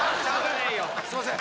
すみません